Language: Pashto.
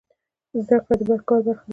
زده کړه د کار برخه ده